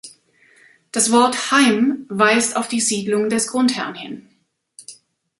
Das Wort „haim“ weist auf die Siedlung des Grundherrn hin.